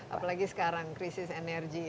apalagi sekarang krisis energi